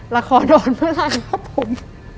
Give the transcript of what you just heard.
ละครโดนเมื่อไหร่ครับผม